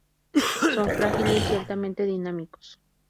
Son frágiles y altamente dinámicos.